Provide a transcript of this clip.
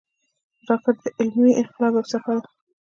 راکټ د علمي انقلاب یوه څپه ده